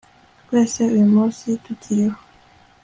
twese uyu munsi tukiriho